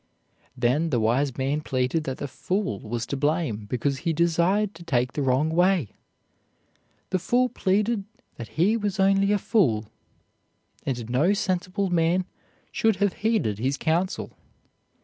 Then the wise man pleaded that the fool was to blame because he desired to take the wrong way. The fool pleaded that he was only a fool, and no sensible man should have heeded his counsel.